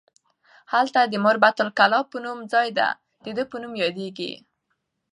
هلته د مربعة کلاب په نوم ځای د ده په نوم یادیږي.